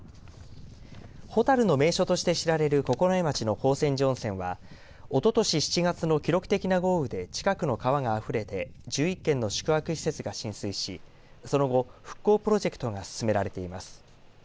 蛍の名所として知られる九重町の宝泉寺温泉はおととし７月の記録的な豪雨で近くの川があふれて１１軒の宿泊施設が浸水しその後、復興プロジェクトが進められています。